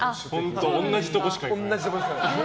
同じところしか行かない。